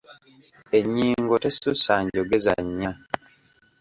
Ennyingo tesussa njogeza nnya.